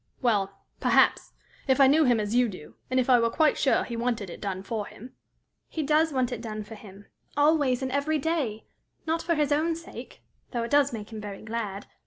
Well, perhaps; if I knew him as you do, and if I were quite sure he wanted it done for him." "He does want it done for him always and every day not for his own sake, though it does make him very glad.